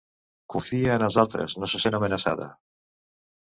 Confia en els altres, no se sent amenaçada